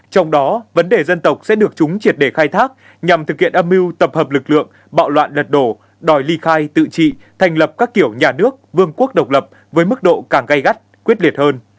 trong đó vấn đề dân tộc sẽ được chúng triệt để khai thác nhằm thực hiện âm mưu tập hợp lực lượng bạo loạn lật đổ đòi ly khai tự trị thành lập các kiểu nhà nước vương quốc độc lập với mức độ càng gây gắt quyết liệt hơn